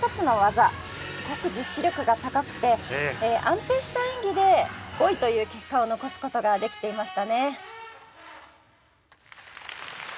すごく実施力が高くて安定した演技で５位という結果を残す事ができていましたね。